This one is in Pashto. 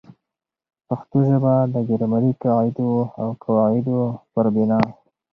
پښتو ژبه د ګرامري قاعدو او قوا عدو پر بناء